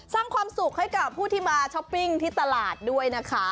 สร้างความสุขให้กับผู้ที่มาช้อปปิ้งที่ตลาดด้วยนะคะ